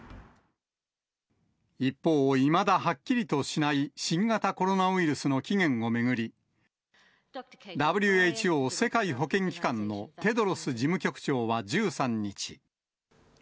一方、いまだはっきりとしない新型コロナウイルスの起源を巡り、ＷＨＯ・世界保健機関のテドロス事務局長は１３日。